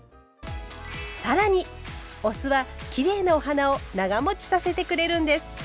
更にお酢はきれいなお花を長もちさせてくれるんです。